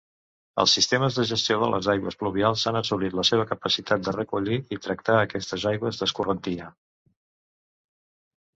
Els sistemes de gestió de les aigües pluvials han assolit la seva capacitat de recollir i tractar aquestes aigües d'escorrentia.